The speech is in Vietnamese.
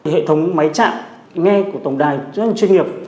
hệ thống máy chạm nghe của tổng đài rất là chuyên nghiệp